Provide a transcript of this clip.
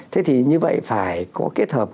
thế thì như vậy phải có kết hợp